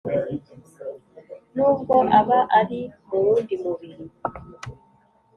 nubwo aba ari mu wundi mubiri. ...